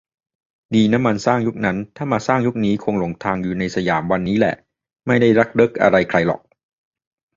ดีนะมันสร้างยุคนั้น มาสร้างยุคนี้คงหลงทางอยู่ในสยามวันนี่แหละ ไม่ได้รักเริกอะไรใครหรอก